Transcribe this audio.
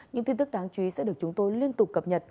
những tin tức đáng chú ý sẽ được chúng tôi liên tục cập nhật